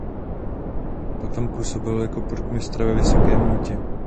Potom působil jako purkmistr ve Vysokém Mýtě.